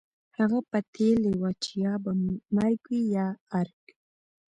هغه پتېيلې وه چې يا به مرګ وي يا ارګ.